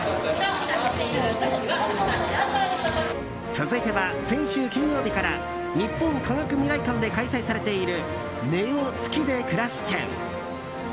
続いては先週金曜日から日本科学未来館で開催されている「ＮＥＯ月でくらす展」。